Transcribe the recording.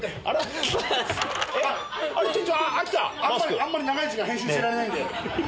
あんまり長い時間変身してられないんで。